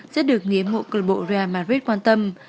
sẽ được nghĩa mộ club real madrid quan tâm